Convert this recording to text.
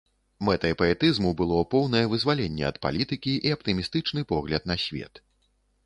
Мэтай паэтызму было поўнае вызваленне ад палітыкі і аптымістычны погляд на свет.